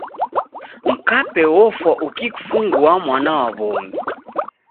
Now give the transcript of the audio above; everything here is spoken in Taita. Mkape ofwa ukikufungua mwana wa w'omi.